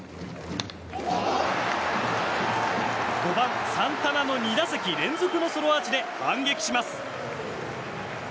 ５番、サンタナの２打席連続のソロアーチで反撃します。